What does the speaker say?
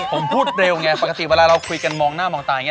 ผมพูดเร็วไงปกติเวลาเราคุยกันมองหน้ามองตาอย่างนี้